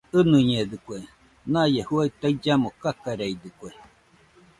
ɨnɨñedɨkue, naie juaɨ taillamo kakareidɨkue